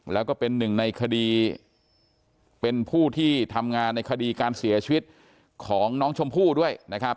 แล้วก็เป็นหนึ่งในคดีเป็นผู้ที่ทำงานในคดีการเสียชีวิตของน้องชมพู่ด้วยนะครับ